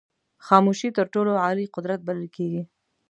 خاموشي تر ټولو عالي قدرت بلل کېږي.